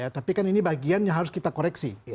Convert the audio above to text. tapi kan ini bagian yang harus kita koreksi